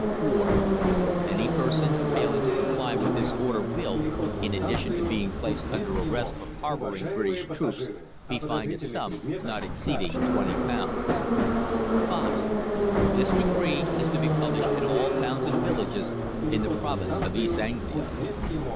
(4) Any person failing to comply with this order will, in addition to being placed under arrest for harbouring British troops, be fined a sum not exceeding £20. (5) This decree is to be published in all towns and villages in the Province of East Anglia.